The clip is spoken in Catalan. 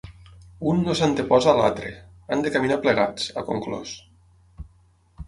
Un no s’anteposa a l’altre, han de caminar plegats, ha conclòs.